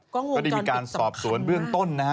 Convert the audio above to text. ก็ได้มีการสอบสวนเบื้องต้นนะฮะ